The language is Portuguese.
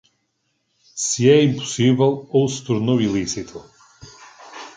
Se é impossível ou se tornou ilícito.